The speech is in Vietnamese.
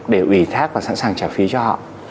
để ủy thác và sẵn sàng trả phí cho họ